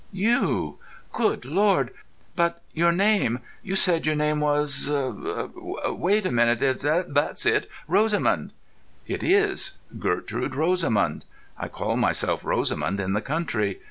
"You. Good Lord!... But your name—you said your name was—wait a moment—that's it! Rosamund!" "It is. Gertrude Rosamund. I call myself Rosamund in the country.